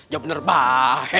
jawab bener bae